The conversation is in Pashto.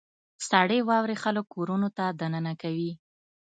• سړې واورې خلک کورونو ته دننه کوي.